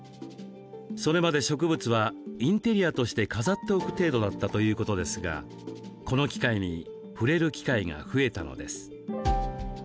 それまで植物はインテリアとして飾っておく程度だったということですがこの機会に触れる機会が増えたのです。